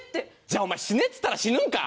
じゃあお前「死ね」っつったら死ぬんか？